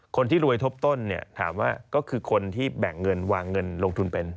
คนที่รวยทบต้นเนี่ยถามว่าก็คือคนที่แบ่งเงินวางเงินลงทุนเป็น